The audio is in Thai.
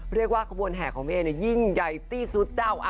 เรียกว่าขบวนแห่ของพี่เอเนี่ยยิ่งใหญ่ที่สุดเจ้า